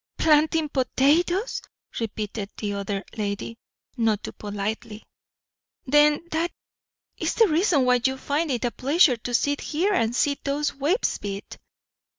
"Planting potatoes!" repeated the other lady, not too politely. "Then that is the reason why you find it a pleasure to sit here and see those waves beat."